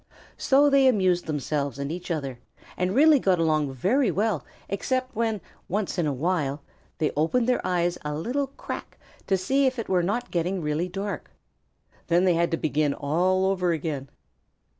So they amused themselves and each other, and really got along very well except when, once in a while, they opened their eyes a little crack to see if it were not getting really dark. Then they had to begin all over again.